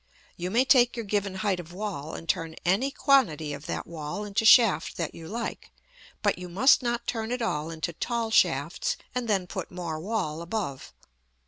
You may take your given height of wall, and turn any quantity of that wall into shaft that you like; but you must not turn it all into tall shafts, and then put more wall above.